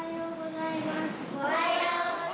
おはようございます。